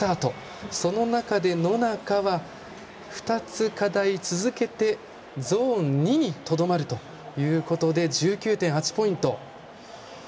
その中で野中は、２つ課題続けてゾーン２にとどまるということで１９．８ポイント。